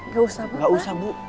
gak usah bu